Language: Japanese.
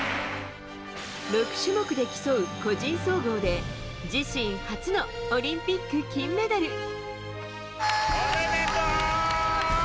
６種目で競う個人総合で自身初のオリンピック金メダル。